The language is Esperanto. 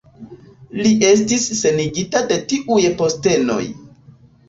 Li estis senigita de tiuj postenoj.